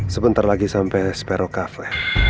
sebentar lagi sampai spero cafe